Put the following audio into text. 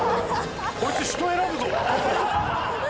こいつ人を選ぶぞ！